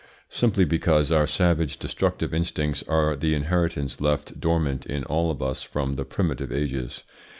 Simply because our savage, destructive instincts are the inheritance left dormant in all of us from the primitive ages.